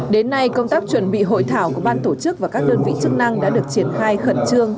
đến nay công tác chuẩn bị hội thảo của ban tổ chức và các đơn vị chức năng đã được triển khai khẩn trương